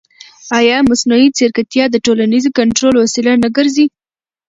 ایا مصنوعي ځیرکتیا د ټولنیز کنټرول وسیله نه ګرځي؟